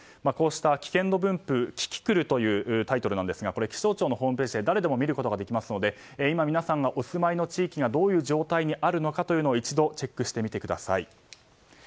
危険度分布、キキクルというタイトルなんですが気象庁のホームページで誰でも見ることができますので今皆さんがお住まいの地域がどういう状態にあるのか一度チェックしてみてください。